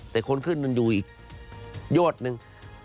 แต่คนขึ้นอยู่อีกโยชน์นึง